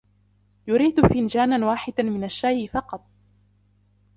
يريد فنجانا واحدا من الشاي فقط.